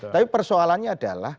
tapi persoalannya adalah